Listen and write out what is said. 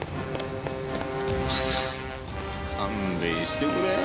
勘弁してくれよ